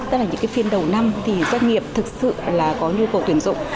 tức là những phiên đầu năm thì doanh nghiệp thực sự là có nhu cầu tuyển dụng